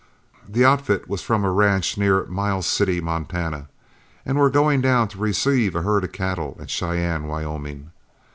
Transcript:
The outfit was from a ranch near Miles City, Montana, and were going down to receive a herd of cattle at Cheyenne, Wyoming.